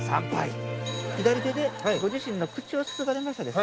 左手でご自身の口をすすがれました。